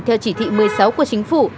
theo chỉ thị một mươi sáu của chính phủ